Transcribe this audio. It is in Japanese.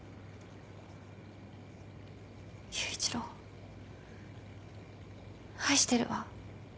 裕一郎愛してるわ。